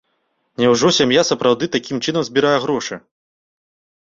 Няўжо сям'я сапраўды такім чынам збірае грошы?